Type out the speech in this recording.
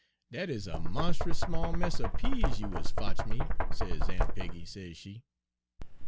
" 'Dat is a monst'us small mess er peas you is fotch' me,' sez Aun' Peggy, sez she.